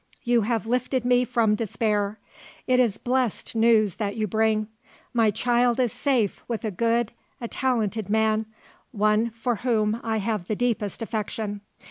"You have lifted me from despair. It is blessed news that you bring. My child is safe with a good, a talented man; one for whom I have the deepest affection.